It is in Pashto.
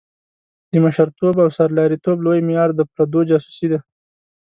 د مشرتوب او سرلاري توب لوی معیار د پردو جاسوسي ده.